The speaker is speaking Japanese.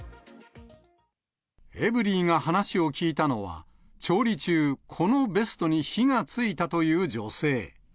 エブリィが話を聞いたのは、調理中、このベストに火がついたという女性。